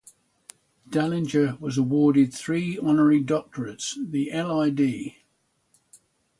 Dallinger was awarded three honorary doctorates, the Ll.D.